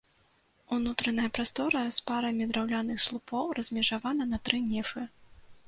Унутраная прастора з парамі драўляных слупоў размежавана на тры нефы.